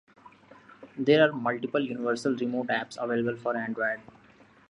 There are multiple universal remote apps available for Android.